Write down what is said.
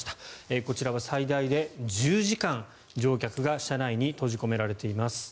こちらは最大で１０時間乗客が車内に閉じ込められています。